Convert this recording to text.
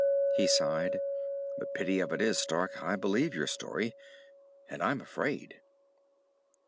He sighed. "The pity of it is, Stark, I believe your story. And I'm afraid."